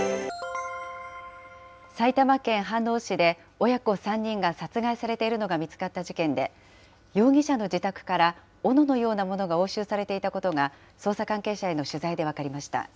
埼玉県飯能市で、親子３人が殺害されているのが見つかった事件で、容疑者の自宅からおののようなものが押収されていたことが、捜査関係者への取材で分かりました。